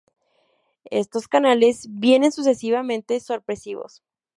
Estos canales vienen sucesivamente sorpresivos.